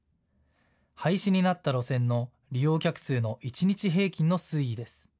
廃止になった路線の利用客数の一日平均の推移です。